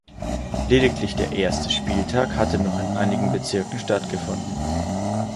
Lediglich der erste Spieltag hatte noch in einigen Bezirken stattgefunden.